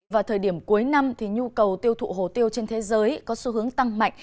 vào thời điểm cuối năm thì nhu cầu tiêu thụ hồ tiêu trên thế giới có xu hướng tăng mạnh